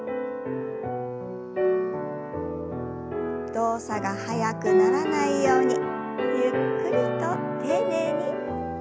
動作が速くならないようにゆっくりと丁寧に。